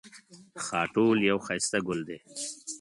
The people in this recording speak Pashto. خاټول یو ښایسته ګل دی